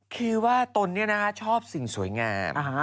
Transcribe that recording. คือว่าตัวเนี่ยชอบสิ่งสวยงาม